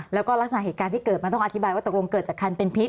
แล้วก็ลักษณะเหตุการณ์ที่เกิดมันต้องอธิบายว่าตกลงเกิดจากคันเป็นพิษ